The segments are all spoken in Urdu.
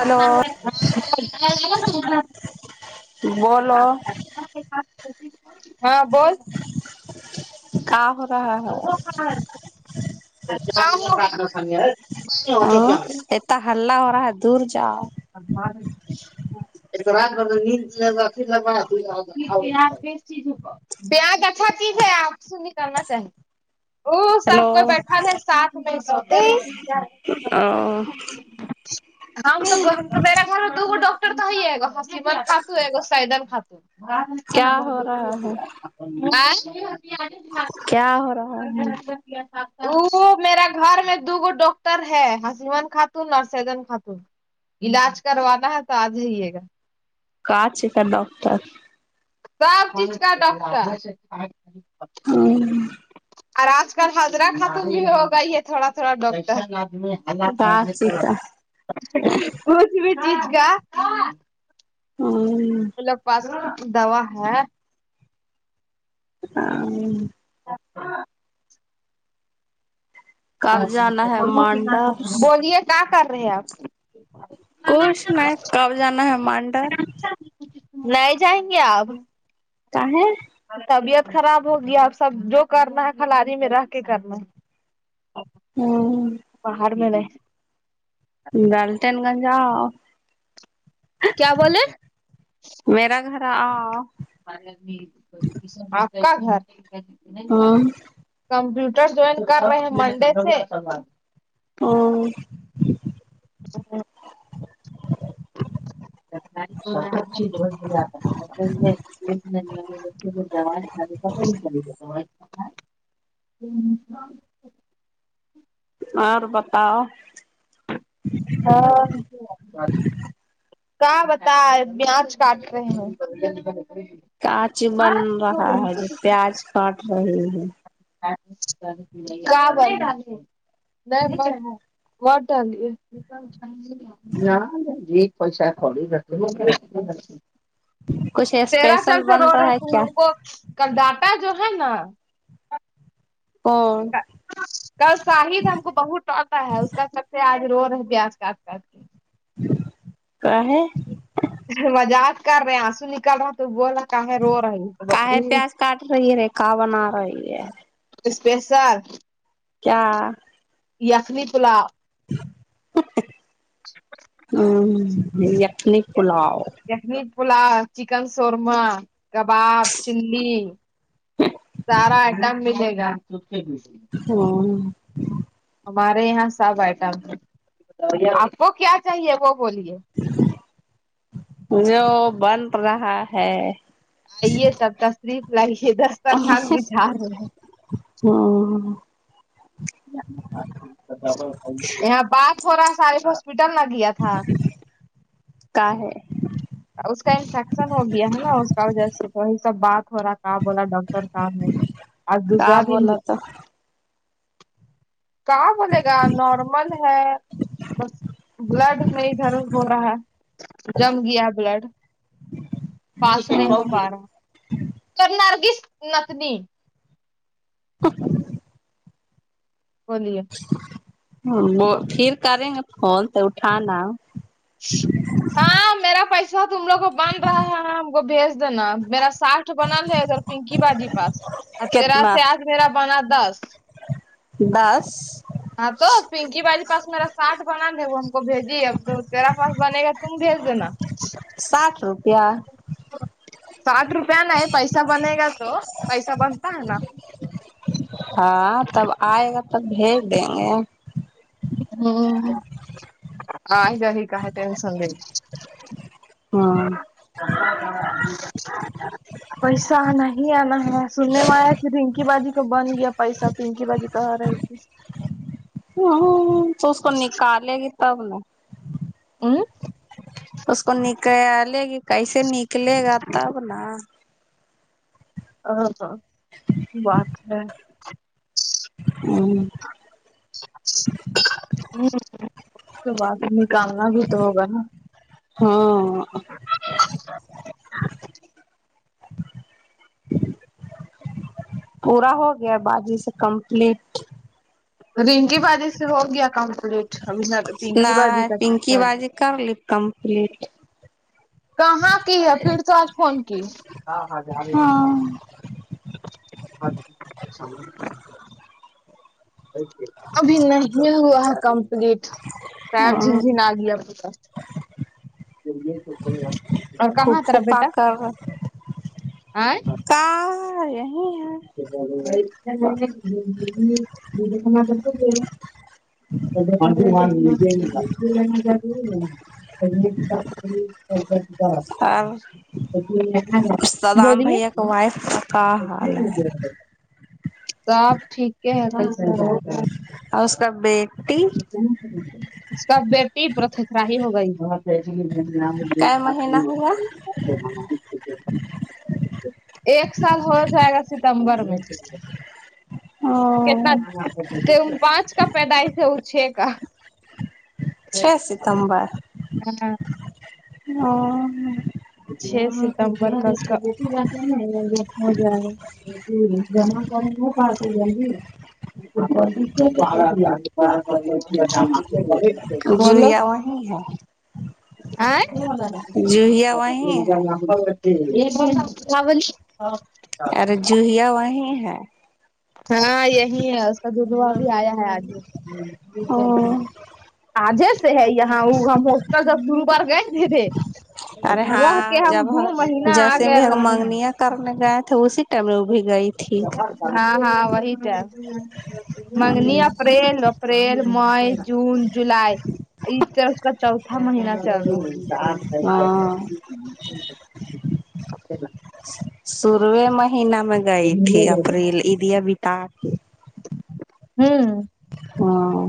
ہلو بولو ہاں بول کہ ہو رہا ہے [inaudible] اتتا ہلہ ہو رہا ہے دور جاؤ ا بار [inaudible] بیا گھا کیز ہے آپ سے نہیں کرنا چاہیے ا سب ہلو کوئی بیٹھا رہے ساتھ میں سو رہ او ہم ہم تو بت تو میرا گھر دو گ ڈاکٹر تو ہی ہے گا ہمت خاتو ہے گو سیدن خاتو ہاں کیا ہو رہا ہے [unintelligible] [inaudible] کیا ہو رہا ہے وہ میرا گھر میں دو گو ڈاکٹر ہے ہسمان خاتون اور سیدن خاتون علاج کروانا ہے تو آ ج ہیے گا کا چیز کا ڈاکٹر سب چیز کا ڈاکٹر ہمم اور آج کل حضرہ ختم بھی ہو گئی ہے تھوڑا تھوڑا ڈرتا کاچ کا [inaudible] ہوں لوگ پاس ن دوا ہے [inaudible] [inaudible] کب جانا ہے مانڈر بولیے کیا کر رہے آپ کچھ نہیں کب جانا ہے مانڈر لئے جائیں گے آپ کہاہ طبیعت خراب ہوگی اب سب جو کرنا ہے کھلاریی میں رہ کے کرنا ہے [inaudible] ہوں پہاڑ میں گے ولٹن گنج آ کیا بولے میرا گھر آ آپ کا گھر ہمم کمپیوٹر جوائن کر رہے ہیں منڈے سے ہوں ا [inaudible] [inaudible] شپت جات [unintelligible] [unintelligible] ہمم اور بتاؤ ہاں کیا بتاے پیاج کاٹ رہے ہیں آچ بن رہا ہے جو پیاز کاٹ رہی ہے کیا بن نہیں واٹال ہے [unintelligible] نہ جی کوئی شاید تھوڑی ر [unintelligible] کچھ تیرہ اسپیشل چند سے بن بول رہے رہا ہے تھے کیا ان کو کل ڈاٹا جو ہے نا کون کل شاہد ہم کو بہت ڈانٹا ہے اس کا سب سے آج رو رہ پیاج کاٹ کاٹ کے کا ہے مزاق کر رہے آنسو نکل رہا تو بولا کاہے رو کا ہے رہی پیاز کاٹ رہی ہے کہ بنا رہی ہے اسپیشل کیا یخنی پلاؤ ہوں یخنی پلاؤ یخنی پلاؤ چکن شورما کباب چلی سارا آئٹم ملے گا ہاں ہمارے یہاں سب آئٹم آپ کو کیا چاہیے وہ بولیے جو بن رہا ہے آئیے تشریف لائیے دس ہاں۔۔ ہاں یہاں بات ہو رہا سارے ہاسپٹل نہ گیا تھا کا ہے اس کا انفیکشن ہو گیا ہے نا اس کا وجہ سے وہی سب بات ہو رہا کیا بولا ڈاکٹر کہاں ہے آج کا دوسرا دن بولا تو کا بولے گا نارمل ہے بس بلڈ میں ادھر ہو رہا ہے جم گیا بلڈ پسار کرنارگی نکنی [unintelligible] [unintelligible] ہونی ہے وہ پھر کریں گے فون تو اٹھانا ہاں میرا پیسہ تم لوگ کو بن رہا ہے ہم کو بھیج دینا میرا ساٹھ بنا ہے ادھر پنکی باجی پاس اور تیرا کتنا سے آج میرا بنا دس دس ہاں تو پنکی باجی کے پس میرا ساٹھ بنا دے وہ ہم کو بھیجی اب تو تیرا پاس بنے گا تم بھیج دینا ساٹھ روپیہ ساٹھ روپیہ نہیں پیسہ بنے گا تو پیسہ بنتا ہے نا ہاں تب آئے گا تب بھیج دیں گے ہ آ گ ہی کا ہے ٹینشن دین ہاں پیسہ آنا ہی آنا ہے سننے میں آیا کہ رنکی باجی کو بن گیا پیسہ پنکی باجی کہ رہی تھی ہوں تو اس کو نکالےتب نے اوں اس کو نکا لے گی کیسے نکلے گا تب نا ا ہاں بات ہے ہوں ہ تو بات نکالنا بھی تو ہوگا نا ہاں پورا ہو گیا باازی سے کمپلیٹ رنکی بازی سے ہو گیا کمپلیٹ ابھی پنکی بازی کا چ کرلی کمپلیٹ کہاں کی ہے پھر آج فون کی ہاں [unintelligible] ابھی نہیں ہوا ہے کمپلیٹ سیر جن ہاں جھن آ گیا پتا اور کہاں تیرا بیٹا ا آئ کا ہے یہی ہے [unintelligible] [unintelligible] اور بولیے ائ آکا سب ٹھیک ہے اس کا بیٹی سب بیٹی پرتھھاہ ہو گئی کا ب مہینہ ہوا [unintelligible] ایک سال ہو جائے گا ستمبر میں کتنا پانچ کا پیدائشی ہے وہ چھ کا چھ ستمبر ہ ہاں ہ چھ ستمبر کا اس کا ہو جائے گا جمع کر پاسے جی آ [unintelligible] جوویا وہیں ہے آ جوہیا وہیں ہے [unintelligible] ارے جووہیا وہیں ہے ہاں یہی ہے اس کا ددا بھی آیا ہے آج آجے سے ہے یہاں وہ ہم ہوسٹل جب گرودوار گئے دے دے ارے رہکے ہاں ہم جب دو مہینہ جیسے آگئے بھی ہم رہنے منگنیا کرنے گئے تھے اسی ٹائم میں وہ بھی گئی تھی ہاں ہاں وہی تو منگنی اپریل اپریل مئی جون جولائی یہ تو اس کا چوتھا مہینہ چل رہا ہاں شروع میں مہینے میں گئی تھی اپریل عیدیاں بتا کے ھمم ہاں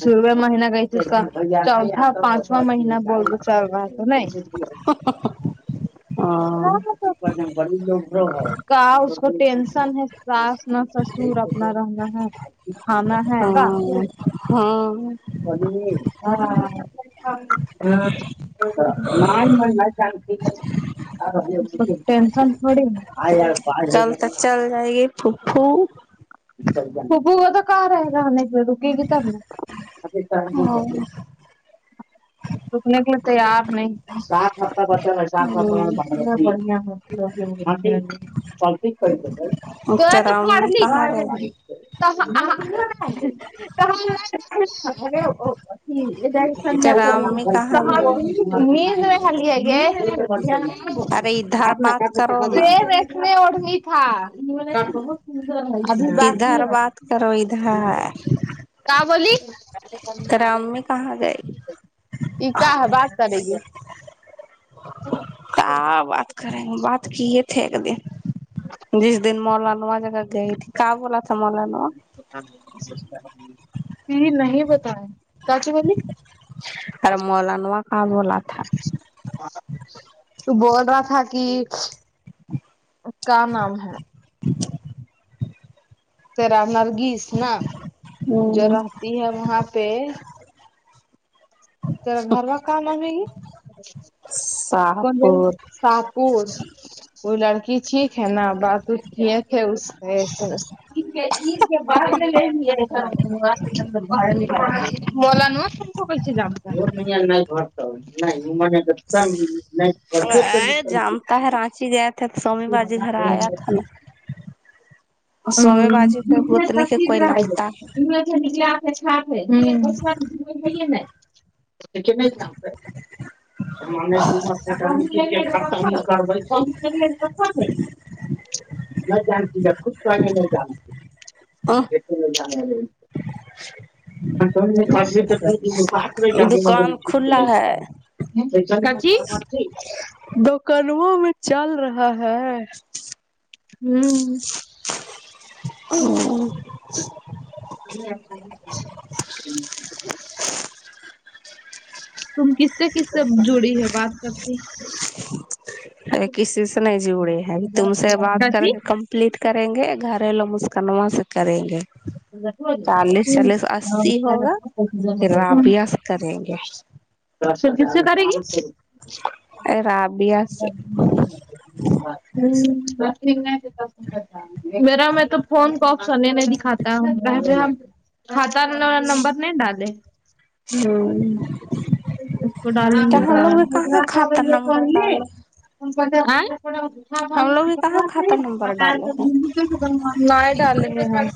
شروع مہینہ گئی تھی اس کا چوھا پانچو مہینہ [unintelligible] ا کا اسکو ٹینشن ہے نہ ساس نہ ساسر صرف اپنا رہنا ہے کھانا ہے کا ہاں ہاں [inaudible] اس کو ٹینشن تھوڑی ہے کل تک چل جائے گی پھوپھو پھوپھو گۓ تو کہا رہے گا ہمیں ہاں [unintelligible] [unintelligible] رکنے کے لیے تیار نہیں ہے ہاں تیرا امی [unintelligible] [unintelligible] کہاں گئی ہے کہاں تیرا امی کہاں گئی ہے [inaudible] ارے ادھر [unintelligible] بات کرو نا [unintelligible] ابھی باقی ادھر بات کرو ہے ادھر کیا بولی گرامی کہاں گئی ای کا ہے بات کرے گی اچ کیا بات کریں بات کیے تھے ایک دن جس دن مولانا جگہ گئی تھی کیا بولا تھا مولانا یہ نہیں بتائے کاچ بولی ارے مولانوا کیا بولا تھا تو بول رہا تھا کی کا نام ہے تیرا نرگس نا جو ہوں رہتی ہے وہاں پہ تیرا گھر کا کام وام نہیں کون گئی تھی شاہپور شاہ پور وہ لڑکی ٹھیک ہے نا بات وت کیے تھے اس سے [inaudible] [unintelligible] [unintelligible] طاہر رانچی گیا تھے تو سومی باجی گھر ہے آیا تھا نہ کوئی لگتا [unintelligible] [unintelligible] [inaudible] میں جانتی ہو سب کچھ تو نہیں جانتی آہ [unintelligible] [unintelligible] مہاتما دکان کھلا ہے گاندھی [unintelligible] کنوؤ میں چل رہا ہے ہمم ہ تم کس سے کس سے جڑی ہے بات کرتی کسی سے نہیں جڑی ہے تم سے بات کر کاچی کے کمپلیٹ کر کریں گے گھرلو مسکن وا سے کریں گے چالیس چالیس ہوں اسی ہوگئے پھر دس رابیہ سے کریں گے پھر کس سے کریگی رابعہ سے [unintelligible] میرا میں تو فون کوپشنے نہیں دکھاتا بہرے ہم کھاتا نمبر نہیں ڈالے ہ اس کو ڈالا لیں تو گے ہم تب لوگ بھی کہاں [unintelligible] کھاتا نمبر ڈالے ہم لوگ بھی کہاں کھاتا نمبر ڈالے ہیں نہیں ڈالیں گے ہم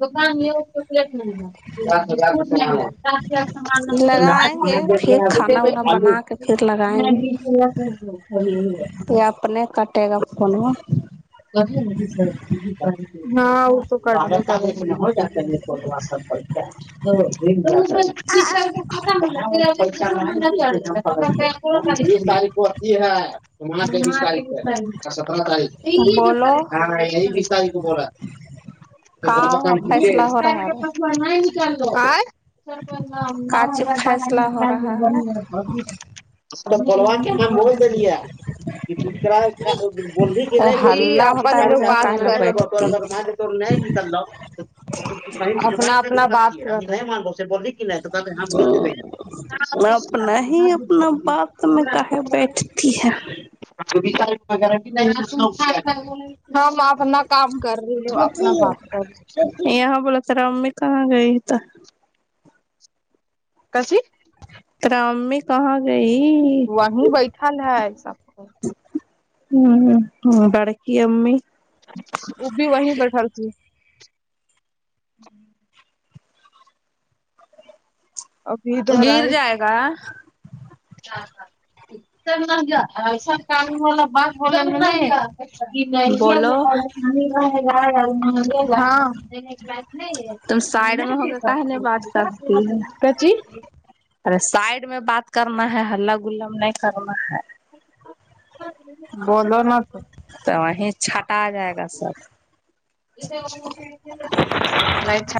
دکان میں چاکلیٹ نہیں ہے لگائیں گے پھر کھانا وانا بنا کے [unintelligible] پھر لگائیں [unintelligible] تو اب نہیں کٹے گا فون وا ہاں وہ تو [unintelligible] تیس تاریخ کو آتی ہے مہینہ تویس تاریخ کو ہے اچھا پندرہ تاریخ بولو ہیں یہی بیس تاریخ کو بولا ہ ائے نو ہزار کا چیز [unintelligible] فیصلہ ہو رہا ہے [inaudible] جی اپن دونوں بات ہلہ ہوتا ہے وہ جگہ کر کاہلا بیٹھتی رہے اپنا اپنا بات کر رہے ہیں [inaudible] اپنا ہی اپنا بات میں کاہے بیٹھتی ہے [inaudible] ہم اپنا کام کر رہے اپنا کام کر یہاں بولا تیرا امی کہا گئی کسی تیرا امی کہاں گئی وہیں بیٹھا ہے ایسا آمم ہمم بڑکی امی وہ بھی وہیں بیٹھل تھی ہوں ابھی ادھر گر ائی جائے گا ایسا کان والا بات ہو لیں گے نہیں بولو [inaudible] ہاں تم سائڈ میں ہو کے کہنے بات کرتی ہے کچی ارے سائڈ میں بات کرنا ہے ہلہ گلہ نہیں کرنا ہے بولو نہ تم تو وہیں چھٹا آ جائے گا سب نہیں چھٹ